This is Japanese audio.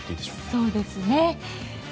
そうですね。